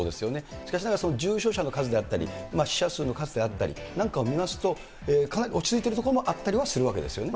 しかしながら重症者の数であったり、死者数の数であったりなんかを見ますと、落ち着いている所もあったりはするわけですよね。